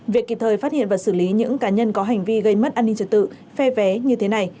việc kịp thời phát hiện và xử lý những cá nhân có hành vi gây mất an ninh trật tự phe vé như thế này